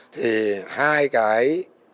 thì hai cái